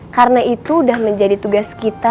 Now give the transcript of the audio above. karena itu sudah menjadi tugas kita